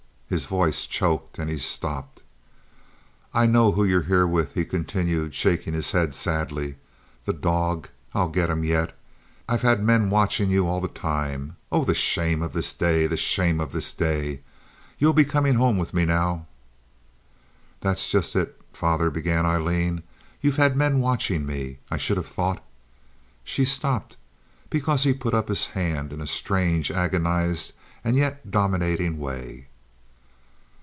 His voice choked and he stopped. "I know who you're here with," he continued, shaking his head sadly. "The dog! I'll get him yet. I've had men watchin' you all the time. Oh, the shame of this day! The shame of this day! You'll be comin' home with me now." "That's just it, father," began Aileen. "You've had men watching me. I should have thought—" She stopped, because he put up his hand in a strange, agonized, and yet dominating way.